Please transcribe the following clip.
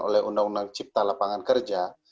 oleh undang undang cipta lapangan kerja